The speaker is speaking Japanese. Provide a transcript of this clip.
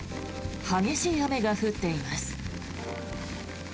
激しい雨が降っています。